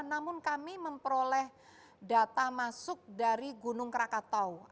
namun kami memperoleh data masuk dari gunung krakatau